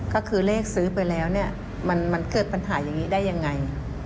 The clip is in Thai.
ก็คือเลขซื้อไปแล้วเนี่ยมันเกิดปัญหาอย่างนี้ได้ยังไง